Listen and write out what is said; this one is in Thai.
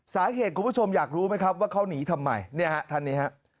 คุณผู้ชมอยากรู้ไหมครับว่าเขาหนีทำไมเนี่ยฮะท่านนี้ฮะ